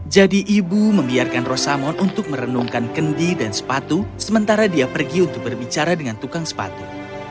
jadi ibu membiarkan rosamon untuk merenungkan kendi dan sepatu sementara dia pergi untuk berbicara dengan tukang sepatu